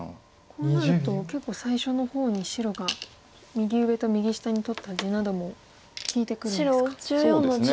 こうなると結構最初の方に白が右上と右下に取った地なども利いてくるんですか。